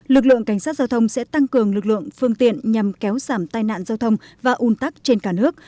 lực lượng cảnh sát giao thông sẽ tăng cường lực lượng phương tiện nhằm kéo giảm tai nạn giao thông và un tắc trên cả nước